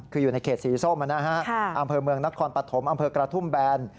คืออยู่ในเขตสีส้มนะฮะอำเภอเมืองนครปฐมอำเภอกระทุ่มแบน